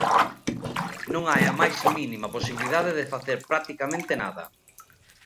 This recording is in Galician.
Non hai a máis mínima posibilidade de facer practicamente nada.